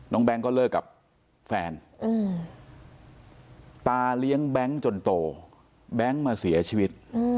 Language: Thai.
แก๊งก็เลิกกับแฟนตาเลี้ยงแบงค์จนโตแบงค์มาเสียชีวิต